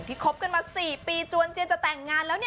ที่คบกันมา๔ปีจวนเจียนจะแต่งงานแล้วเนี่ย